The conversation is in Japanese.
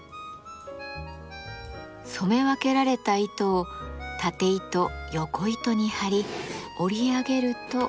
染め分けられた糸をたて糸よこ糸に張り織り上げると。